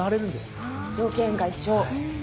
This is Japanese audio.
条件が一緒。